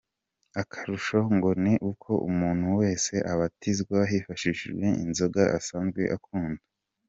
Akarusho ngo ni uko umuntu wese abatizwa hifashishijwe inzoga asanzwe akunda.